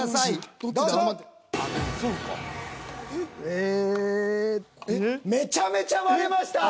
えええっめちゃめちゃ割れました。